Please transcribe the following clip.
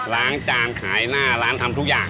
ล้างจานขายหน้าร้านทำทุกอย่าง